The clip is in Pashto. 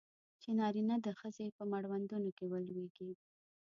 چې نارینه د ښځې په مړوندونو کې ولویږي.